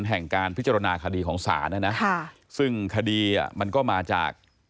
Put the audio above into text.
แห่งการพิจารณาคดีของศาลนะนะซึ่งคดีอ่ะมันก็มาจาก